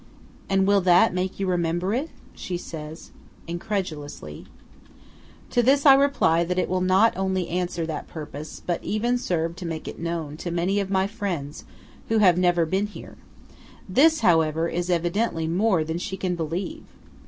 "And will that make you remember it?" says she, incredulously. To this I reply that it will not only answer that purpose, but even serve to make it known to many of my friends who have never been here. This, however, is evidently more than she can believe.